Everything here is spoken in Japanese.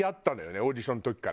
オーディションの時から。